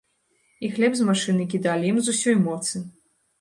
І хлеб з машыны кідалі ім з усёй моцы.